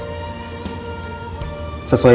lebih dekat kepada rena